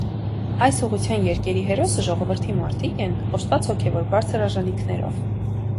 Այս ուղղության երկերի հերոսը ժողովրդի մարդիկ են՝ օժտված հոգևոր բարձր արժանիքներով։